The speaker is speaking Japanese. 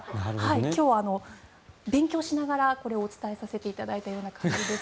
今日、勉強しながらお伝えさせていただいたような感じです。